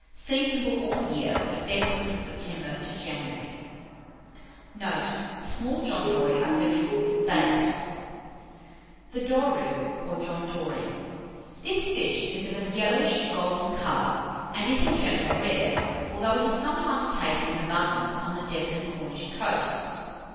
Seasonable all the year, but best from September to January. Note. Small John Dorie are very good, baked. [Illustration: THE JOHN DORY.] THE DORU, or JOHN DORY. This fish is of a yellowish golden colour, and is, in general, rare, although it is sometimes taken in abundance on the Devon and Cornish coasts.